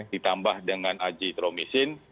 ditambah dengan ajitromisin